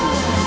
ya gue seneng